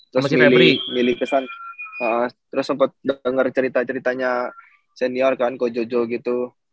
terus milih kesana terus sempet denger cerita ceritanya senior kan ko jojo gitu